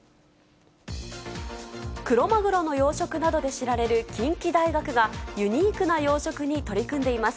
クロマグロの養殖などで知られる近畿大学が、ユニークな養殖に取り組んでいます。